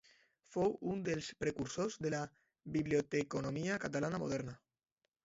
Fou un dels precursors de la biblioteconomia catalana moderna.